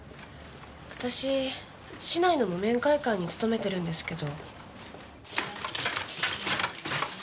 私市内の木綿会館に勤めてるんですけど。